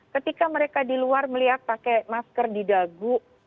ketika mereka di luar melihat pakai masker didagu